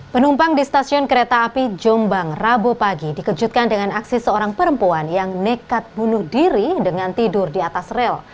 penumpang di stasiun kereta api jombang rabu pagi dikejutkan dengan aksi seorang perempuan yang nekat bunuh diri dengan tidur di atas rel